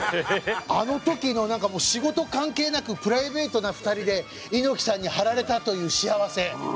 あの時の仕事関係なくプライベートな２人で猪木さんに張られたという幸せ。